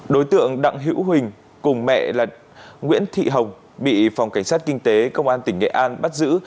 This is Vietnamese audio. đối tượng đặng hữu huỳnh cùng mẹ là nguyễn thị hồng bị phòng cảnh sát kinh tế công an tỉnh nghệ an bắt giữ